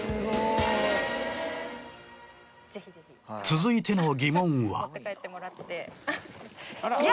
続いての疑問は。